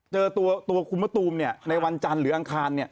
เจอตัวคุณมะตูมในวันจันทร์หรืออังคาร